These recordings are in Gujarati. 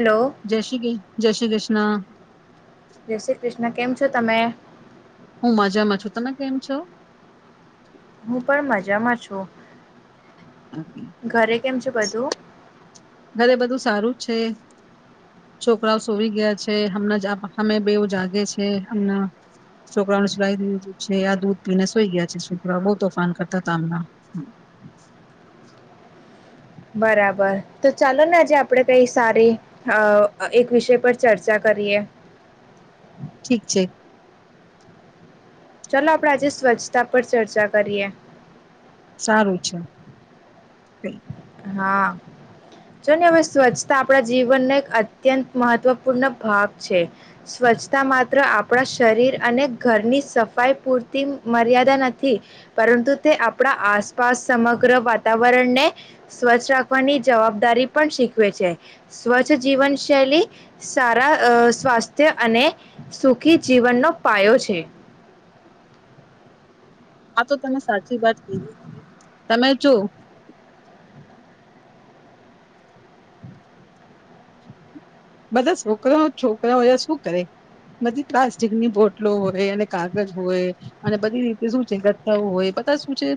હલો જય શ્રી કે જય શ્રી કષ ના. જય શ્રી કૃષ્ણ. અને કેમ છો તમે. હું મજામાં છું તમે કેમ છો. હું પણ મજામાં છું. ઓકે. ઘરે કેમ છે બધું. ઘરે બધું સારું છે છોકરાઓ સોઈ ગયા છે હમે અમે બેવ જાગે છે હમના છોકરાઓને સલાઈ દીધું છે આ દૂધ પીને સોઈ ગયા છે છકરાઓ બહુ તોફાન કરતા હતા હમણા. બરાબર તો ચાલો ને આજે આપણેે કઈ સારી અ એક વિષય પર ચર્ચા કરીએ. ઠીક છે. ચાલો આપણે આજે સ્વચ્છતા પર ચર્ચા કરીએ. સારું છે કઈ હા જો ને હવે સ્વચ્છતા આપણા જીવનનો એક અત્યંત મહત્વપૂર્ણ ભાગ છે સ્વચ્છતા માત્ર આપણા શરીર અને ઘરની સફાઈ પૂરતી મર્યાદા નથી પરંતુ તે આપણા આસપાસ સમગ્ર વાતાવરણને સ્વચ્છ રાખવાની જવાબદારી પણ શીખવે છે સ્વચ્છ જીવન શૈલી સારા અ સ્વાસ્થ્ય અને સુખી જીવનનો પાયો છે આ તો તમે સાચ વાત કરી તમે જો બધા છોકરાઓ છોકરાઓ શું કરે બધી પ્લાસ્ટિકની બોટલો હોય અને કાગજ હોય અને બધી રીતે શું છે ગથ્થાઓ હોય બધા શું છે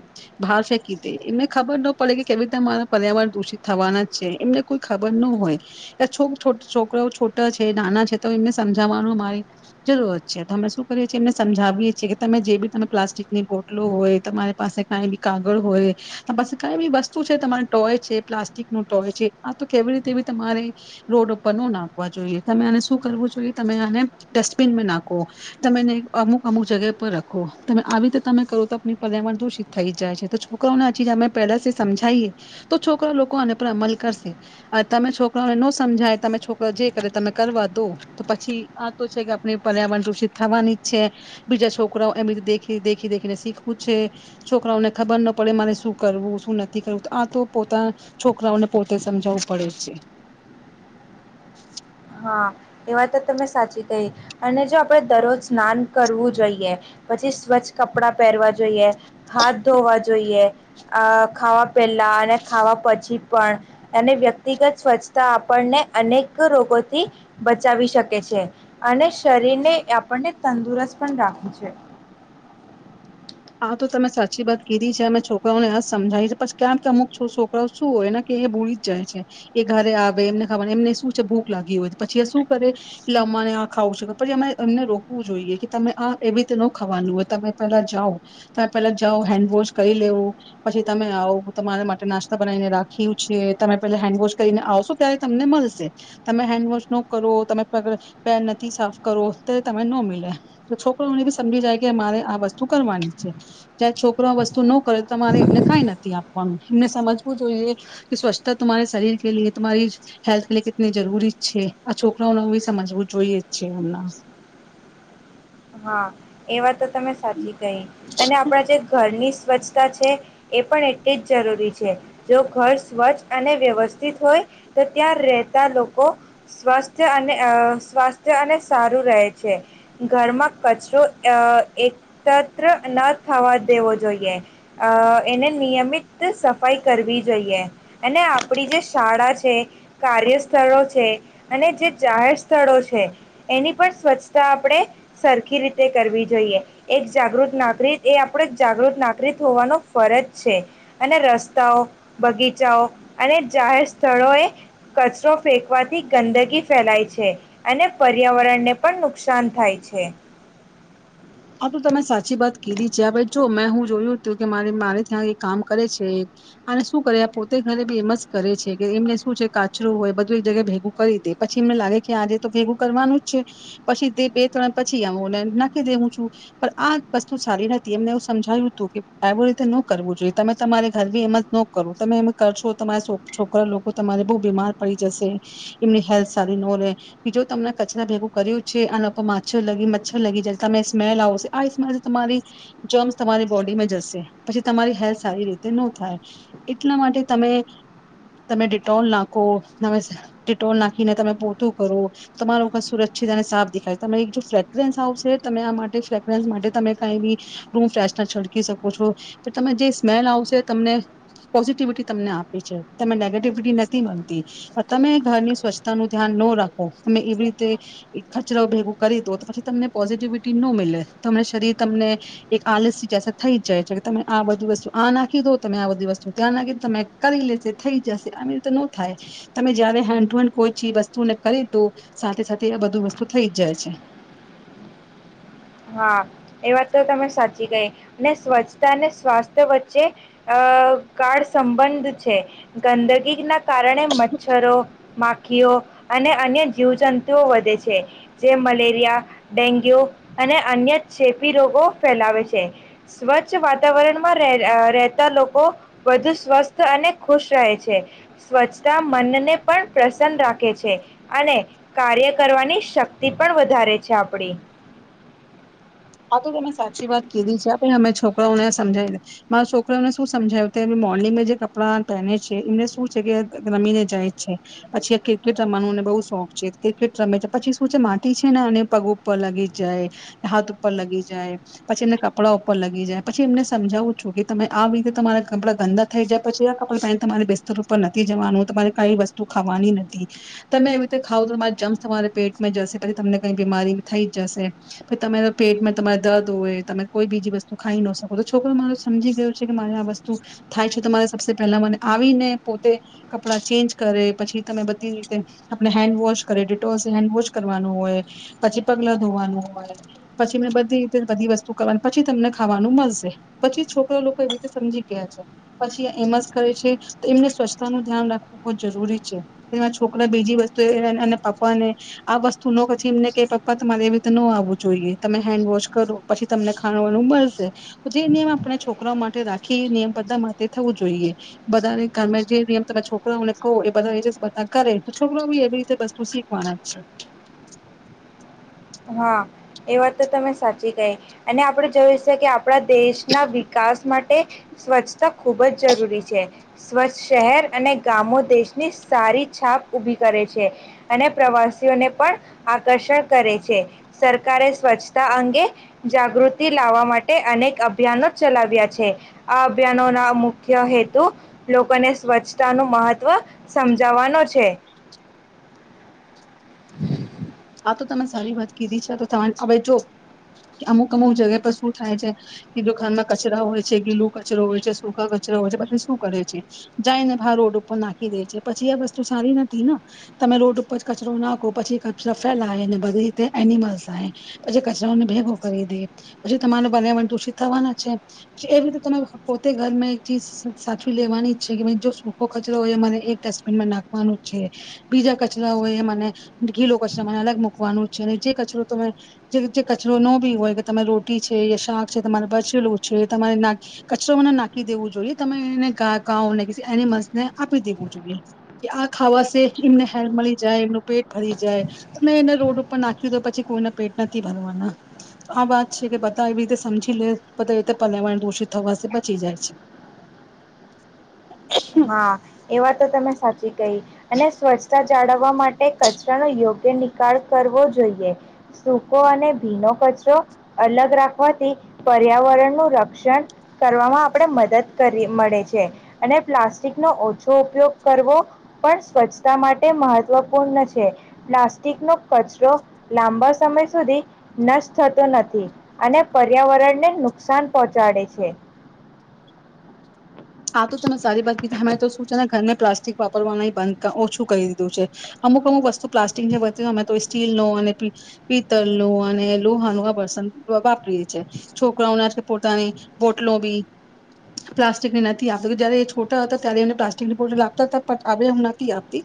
ભાર ફેંકી દ એમને ખબર ન પડે કે કેવી રીતે મારા પર્યાવરણ દૂષિત થવાના છે એમને કોઈ ખબર ન હોય છો છોકરાઓ છોટા છે નાના છે તો એમને સમજાવવાનું અમારી જરૂરત છે અમે શું કરીએ છીએ એમને સમજાવીએ છીએ કે તમે જે બી તમે પ્લાસ્ટિકની બોટલો હોય તમારી પાસે કઈ બી કાગળ હોય તમા પાસે કઈ બી વસ્તુ છે તમારા ટોય છે પ્લાસ્ટિક નો ટોય છે આ તો કેવી રીતે બી તમારે રોડ નાખવા જોઈએ તમે આને શું કરવું જોઈએ તમે આને ડસ્ટબિનમાં નાખો તમે એને અમુક અમુક જગ્યા પર રખો તમે આવી રીતે તમે કરો તો આપ પર્યાવરણ દૂષિત થઈ જાય છે તો છોકરાઓને હ અમે પેલાથી સમજાઈએ તો છોકરા લોકો આને પર અમલ કરશે તમે છોકરાઓને ન સમજાય તમે છોકરા જે કરે તમે કરવા દો તો પછી આ તો છે કે આપણે પર્યાવરણ દૂષિત થવાની જ છે બીજા છોકરાઓ એમ રીતે દે દેખી દેખીને શીખવું છે છોકરાઓને ખબર ના પડે મારે શું કરવું શું નથી કરવું આ તો પોતા છોકરાઓને પોતે સમજાવું પડે છે હા એ વા તો તમે સાચી કહી અને જો આપણેે દરરોજ સ્નાન કરવું જોઈએ પછી સ્વચ્છ કપડાં પહેરવા જોઈએ હાથ ધોવા જોઈએ અ ખાવા પહેલા અને ખાવા પછી પણ અને વ્યક્તિગત સ્વચ્છતા આપણને અનેક રોગો થી બચાવી શકે છે અને શરીરને આપણને તંદુરસ્ત પણ રાખે છે આા તો તમે સાચી વાત કીધી છે અમે છોકરાઓને સમજાવી છે પછી કેમ કે અમુક છોકરાઓ શું હોય ને કે એ ભૂલી જ જાય છે એ ઘરે આવે એમને ખાવાનું એમને શું છે ભૂખ લાગી હોય પછી એ શું કરે લ અમને આ ખાવું પછી અમે એમને રોકવું જોઈએ કે તમે આ એવી રીતે ન ખાવાનું હોય તમે પેલા જાઓ તમે પેલા જાઓ હેન્ડવોશ કરી લેવો પછી તમે આવો તમારા માટે નાસ્તા બનાવીને રાખ્યું છે તમે પેલા હેન્ડવોશ કરીને આવશો ત્યારે તમને મળશે તમે હેન્ડવોશ ન કરો તમે પેન નથી સાફ કરો ત્યારે તને નો મિલે તો છોકરોને બી સમજી જાય કે મારે આ વસ્તુ કરવાની જય્યારે છોકરો વસ્તુ ન કરે તમારે એમને કઈ નથી આપવાનું એમને સમજવું જોઈએ કે સ્વચ્છતા તમારા શરીર કે લ તમારી હેલ્થ લ કેટલી જરૂરી છે આ છોકરાઓને સમજવું જોઈએ જ છે એમના હા એ વાત તો તમે સાચી કહી અને આપણા જે ઘરની સ્વચ્છતા છે એ પણ એટલી જ જરૂરી છે જો ઘર સ્વચ્છ અને વ્યવસ્થિત હોય તો ત્યાં રહેતા લોકો સ્વસ્થ અને સ્વાસ્થ્ય અને સારું રહે છે ઘરમાં કચરો અ એકત્ર ન થવા દેવો જોઈએ અ એને નિયમિત સફાઈ કરવી જોઈએ અને આપણી જે શાળા છે કાર્યસ્થળો છે અને જે જાહેર સ્થળો છે એની પણ સ્વચ્છતા આપણે સરખી રીતે કરવી જોઈએ. એક જાગૃત નાગરિક એ આપણે જાગૃત નાગરિક હોવાનો ફરજ છે, અને રસ્તાઓ, બગીચાઓ, અને જાહેર સ્થળોએ કચરો ફેંકવાથી ગંદગી ફેલાય છે, અને પર્યાવરણને પણ નુકસાન થાય છ છે. આ તો તમે સાચી વાત કીધી. જ્યા હવે જો જો મેં હું જોયું હતું કે મારે-મારે ત્યાં કામ કરે છે, અને શું કરે પોતે ઘરે બી એમ જ કરે છે, કે એમને શું છે કાચરું હોય બધું એક જગ્યા ભેગું કરી દે, પછી એમને લાગે આજે તો ભેગું કરવાનું જ છે, પછી તે બે ત્રણ પછી [unintelligible] નાખી દેહું છું. પણ આ વસ્તુ સારી નથી, એમને એવું સમજાવ્યું તું કે આવ રીતે ન કરવું જોઈએ. તમે તમારે ઘરની જેમ જ ન કરો, તમે એમ કર છો, તમાર સો છોકરા લોકો તમારે બહુ બીમાર પડી જશે, એમની હેલ્થ સારી નો રહેે, બીજું તમને કચરા ભેગું કર્યું છે, આના ઉપર માછર લગી મચ્છર લગી જાય તમે સ્મેલ આવશે, આ સ્મેલ તમારી જમ્સ તમારી બોડીમાં જશે. પછી તમારી હેલ્થ સારી રીતે ન થાય. એટલા માટે તમે-તમે ડિટોલ નાખો, તમે ડિટોલ નાખીને તમે પોતું કરો, તમારું ઘર સુરક્ષિત અને સાફ દેખાય. તમે એક જો ફ્રેગ્રેન્સ આવશે તમે આ માટ ટે ફેગ્રેંસ માટે તમે કાઈ ભી રૂમ ફ્રેશ છડકી શકો છો, તો તમે જે સ્મેલ આવશે તમને પોઝિટિવિટી તમને આપે છે. તમે નેગેટિવિટી નથી મલતી, પણ તમે ઘરની સ્વચ્છતા નું ધ્યાન નો રાખો, તમે એવી રીતે કચરો ભેગું કરી દો તો પછી તમને પોઝિટિવિટી ટી નો મિલે. તમને શરીર તમને એક આલસી જૈસા થઈ જાય છે કે તમે આ બધી વસ્તુ આ નાખી દો, તમે આ બધી વસ્તુ, ત્યાં નાખી તમે કરી લેશે થઈ જશે આવી રીતે નો થાય, તમે જયારે હેન્ડ ટુ હેન્ડ કોઈ ચીજ વસ્તુને કરી તો સાથે-સાથે આ બધું વસ્તુ થઈ જ જાય છે. હા એ વાત તો તમે સાચી કહી. ને સ્વચ્છતા અને સ્વાસ્થ્ય વચ્ચે અહ ગાઢ સંબંધ છે. ગંદગી ના કારણે મચ્છરો, માખીઓ, અને અન્ય જીવજંતુઓ વધે છે, જે મલેરિયા, ડેન્ગ્યુ અને અન્ય ચેપી રોગો ફેલાવે છે, સ્વચ્છ વાતાવરણમાં રહેતા લોકો, વધુ સ્વસ્થ અને ખુશ રહે છે, સ્વચ્છતા મનને પણ પ્રસન્ન રાખે છે, અને કાર્ય કરવાની શક્તિ પણ વધારે છે આપડી. હા તો તમે સાચી વાત કીધી છે અમે છોકરાઓને સમજાવી દે, મારા છોકરાઓને શું સમજાય એ મોર્નિંગ જે કપડાં પહેને છે એમને શું છે કે રમીને જાય છે, પછી એ ક્રિકેટ રમવાનુંને બહુ શોખ છે ક્રિકેટ રમે છે પછી શું છે માટી છે ને અને પગ ઉપર લગી જાય, હાથ લગી જાય, પછી એમને કપડા ઉપર લગી જાય પછી એમને સમજાવું છું કે તમે આ રીતે તમારા કપડાં ગંદા થઈ જાય પછી આ કપડા પહેન તમારે બીસ્તર ઉપર નથી જવાનું તમારે કઈ વસ્તુ ખાવાની નથી, તમે એવી રીતે ખાવ તો તમારી જમ્સ તમારે પેટમાં જશે પછી તમને કઈ બીમારી થઈ જ જશે, પછી ત પેટમાં તમારે દર્દ હોય તમે કોઈ બીજી વસ્તુ ખાઈ ન શકો તો છોકરો માર સમજી ગયો છે કે મારે આ વસ્તુ, થાય છે તમારે સબ પહેલા મને આવીને પોતે, કપડાં ચેન્જ કરે પછી તમે બધી રીતે આપણે હેન્ડવોશ કરે ડિટોલસ હેન્ડવોશ કરવાનું હોય, પછી પગલા ધોવાનું હોય. પછી એમને બધી રીતે બધી વસ્તુ કરવાની પછી તમને ખાવાનું મળશે પછી છોકરા લોકો એવી રીતે સમજી ગયા છે પછી એમ જ કરે છે તો એમને સ્વચ્છતા નું ધ્યાન રાખવું બહુ જરૂરી છે છોકરા બીજી વસ્તુ અને પપ્પાને આ વસ્તુ ન પછી એમને કે પપ્પા તમારે એવી રીતે ન આવવું જોઈએ. તમે હેન્ડવોશ કરો પછી તમને ખાણવાનું મળશે, જે નિયમ આપણે છોકરાઓ માટે રાખીએ નિયમ બધા માટે થવું જોઈએ, બધાનેમે જે નિયમ તમે છોકરાઓને કહો એ બધા બધા કરે તો છોકરા બી એવી રીતે વસ્તુ શીખવાના છે હા, એ વાત તો તમે સાચી કહી, અને આપડે જોયું છે કે આપણા દેશના વિકાસ માટે માટે સ્વચ્છતા ખૂબ જ જરૂરી છે, સ્વચ્છ શહેર અને ગામો દેશની સારી છાપ ઊભી કરે છે, અને પ્રવાસીઓને પણ આકર્ષણ કરે છે. સરકારે સ્વચ્છતા અંગે, જાગૃતિ લાવવા માટે અનેક અભિયાનો ચલાવ્યા છે, આ અભિયાનો ના મુખ્ય હેતુ, લોકોને સ્વચ્છતા ન મહત્વ સમજવાનો છે. હમ [inaudible] આ તો તમે સારી વાત કીધી છે તો હવે જો, અમુક અમુક જગ્યા પર શું થાય છે, કે દુકાનમાં કચરા હોય છે ગીલું કચરો હોય છે સૂખા કચરો હોય છે બધી શું કરે છે, જાયને ભા રોડ ઉપર નાખી દે છે પછી આ વસ્તુ સારી નથી ને, તમે રોડ ઉપર કચરો નાખો, પછી સફ બધી રીતે એનિમલ્સ આવે પછી કચરાને ભેગો કરી દે પછી તમારે પર્યાવર દુષિત થવાના છે પછી એવી રીતે તમે પોતે ઘરમાં એક ચીજ સાચવી લેવાની જ છે કે જો સૂખો કચરો હોય એ મને એક ડસ્ટબિનમાં નાખવાનો છે બીજા કચરાઓ એ મને ઘીલો કચ મને અલગ મૂકવાનું છે અને જે કચરો તમે જે જે કચરો ન બી હોય કે તમે રોટી છે શાક છે તમારે બચેલું છે તમારે ના કચરો મને નાખી દેવું જોઈએ તમે એનેા ઘાં ને એનિમલ્સને આપી દેવું જોઈએ કે આ ખાવાશે એમને હેર મળી જાય એમનું પેટ ભરી જાય, મેં એને રોડ ઉપર નાખ્યું તો પછી કોઈને પેટ નથી ભરવાના, તો આ વાત છે કે બધા એવી રીતે સમજી લે બધા એ રીતે પર્યાવરણ દોષિત થવા બચી જાય છે. હા, એવા તો તમે સાચી ગઈ અને સ્વચ્છતા જાળવવા માટે કચરાનો યોગ્ય તે નિકાલ કરવો જોઈએ સૂકો અને ભીનો કચરો અલગ રાખવાથી પર્યાવરણ નું રક્ષણ કરવામાં આપણે મદદ કરી મળે છે અને પ્લાસ્ટિકનોો ઓછો ઉપયોગ કરવો પણ સ્વચ્છતા માટે મહત્વપૂર્ણ છે પ્લાસ્ટિકનોો કચરો લાંબા સમય સુધી નષ્ટ થતો નથી અને પર્યાવરણને નુકસાન પહોંચાડે છે આ તો તને સારી વાત અ તો શું છે ને ઘરને પ્લાસ્ટિક વાપરવાનું બંધ ઓછું કરી દીધું છે અમુક અમુક વસ્તુ પ્લાસ્ટિક જે બ અમે તો સ્ટીલ ન અને પિત્તળ ન અને લોહાનુંુહા બર્સન વાપરીએ છીએ છોકરાઓને પોતાની બોટલો બી પ્લાસ્ટિકની જારે એ છોટા હતા ત્યારે એને પ્લાસ્ટિકની બોટલ આપતા હતા પણ હવે હું નથી આપતી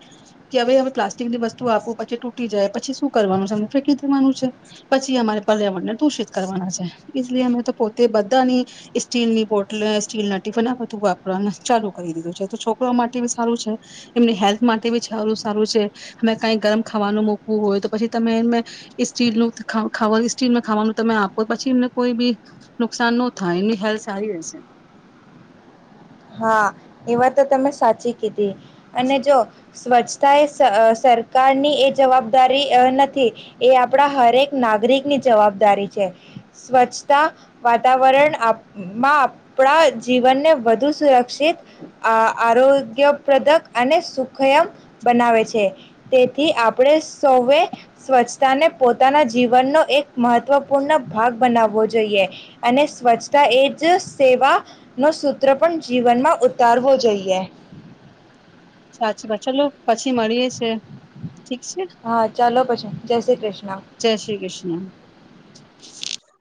કે હવે અ પ્લાસ્ટિકની વસ્તુ આપું પછી તૂટી જાય પછી શું કરવાનું છે અમને ફેંકી દેવાનું છે પછી અમારે પર્યાવરણ ને દૂષિત કરવાના છે અમે તો પોતે બધાની સ્ટીલની બોટલ સ્ટીલ ના ટિફન આપ ું વાપરવા ચાલુ કરી દીધું છે તો છોકરો માટે બી સારું છે એમની હેલ્થ માટે બી સારું સારું છે અમે કઈ ગરમ ખાવાનું મકવું હોય તો પછી તમે એમને સ્ટીલ સ્ટીલમાં ખાવાનું તમે આપો પછી એમને કોઈ બી નુકસાન ન થાય એમની હેલ્થ સારી રહેશે હા એ વા તો તમે સાચી કીધી અને જો સ્વચ્છતા એ સરકારની એ જવાબદારી નથી એ આપણા હરેક નાગરિકની જવાબદારી છે સ્વચ્છતા વાતાવરણમાં આપણા જીવનને વધુ સુરક્ષિત આ આરોગ્યપ્રદક અને સુખયમ બનાવે છે તેથી આપણે સૌએ સ્વચ્છતાને પોતાના જીવનનો એક મહત્ત્વપૂર્ણ ભાગ બનાવવો જોઈએ અને સ્વચ્છતા એ જ સેવાનો સૂત્ર પણ જીવનમાં ઉતારવો જોઈએ સાચી વાત ચાલ પછી મળીએે છે હા ચાલો પછન જય શ્રી કૃષ્ણ જય શ્રી કૃષ્ણ [inaudible]